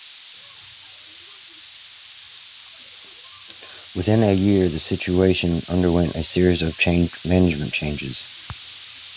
Within a year, the station underwent a series of management changes.